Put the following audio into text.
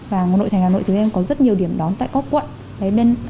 và nội thành hà nội thì em có rất nhiều điểm đón tại cóc quận